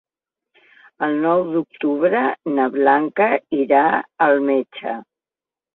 El nou d'octubre na Blanca irà al metge.